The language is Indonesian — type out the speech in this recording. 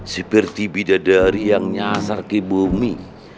seperti bidadari yang nyasar ke bumi